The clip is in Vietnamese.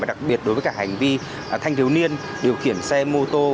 đặc biệt đối với cả hành vi thanh thiếu niên điều khiển xe mô tô